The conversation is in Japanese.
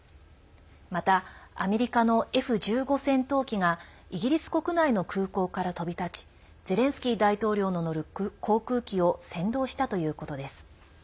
また、アメリカのＦ１５戦闘機がイギリス国内の空港から飛び立ちゼレンスキー大統領の乗る航空機を先導したということです。